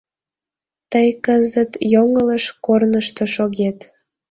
Тый кызыт йоҥылыш корнышто шогет.